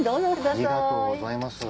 ありがとうございます。